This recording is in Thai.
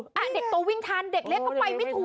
ขำตอนนี้คุณจะช่วยว่ะ